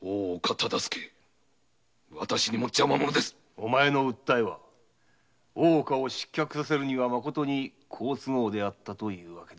お前の訴えは大岡を失脚させるに好都合であったという訳だ。